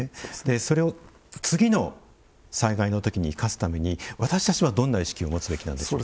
それを次の災害の時に生かす時に私たちはどんな意識を持つべきでしょうか。